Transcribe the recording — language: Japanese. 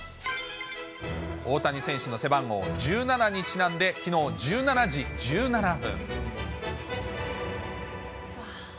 大谷選手の背番号１７にちなんで、きのう１７時１７分。